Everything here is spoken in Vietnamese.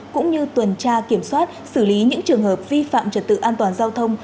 cũng như tuần tra kiểm soát xử lý những trường hợp vi phạm trật tự an toàn giao thông